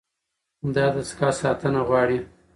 دا دستګاه ساتنه غواړي.